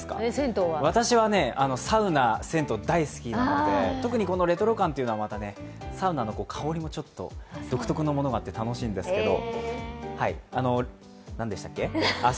私はサウナ、銭湯大好きなので、特にレトロ感というのはまたサウナの香りもちょっと独特のものがあって楽しいんですけど。